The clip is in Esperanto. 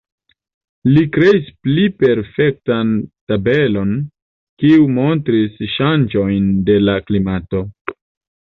Li kreis pli perfektan tabelon, kiu montris ŝanĝojn de la klimato.